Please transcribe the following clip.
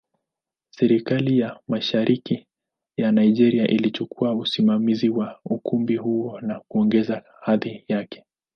Serikali ya Mashariki ya Nigeria ilichukua usimamizi wa ukumbi huo na kuongeza hadhi yake.